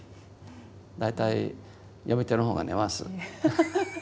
大体読み手の方が寝ます。